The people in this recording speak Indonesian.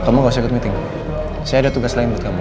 kamu gak usah ikut meeting saya ada tugas lain buat kamu